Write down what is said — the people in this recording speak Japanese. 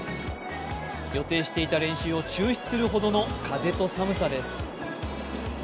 予定していた練習を中止するほどの風と寒さです。